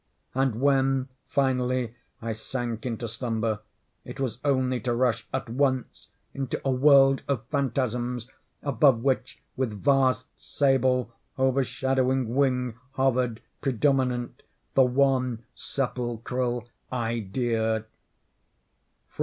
And when, finally, I sank into slumber, it was only to rush at once into a world of phantasms, above which, with vast, sable, overshadowing wing, hovered, predominant, the one sepulchral Idea.